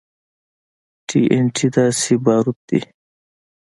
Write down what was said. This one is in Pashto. ټي ان ټي داسې باروت دي.